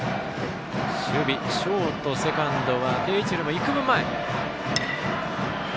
守備、ショート、セカンドは定位置よりも、いくぶん前。